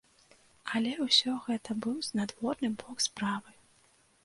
Але ўсё гэта быў знадворны бок справы.